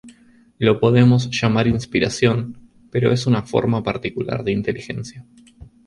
Lo podemos llamar inspiración, pero es una forma particular de inteligencia.